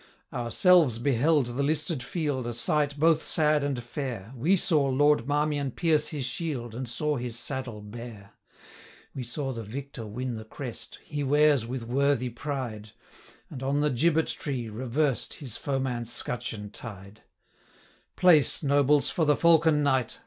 Ourselves beheld the listed field, A sight both sad and fair; 180 We saw Lord Marmion pierce his shield, And saw his saddle bare; We saw the victor win the crest, He wears with worthy pride; And on the gibbet tree, reversed, 185 His foeman's scutcheon tied. Place, nobles, for the Falcon Knight!